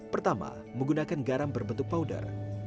pertama menggunakan garam berbentuk powder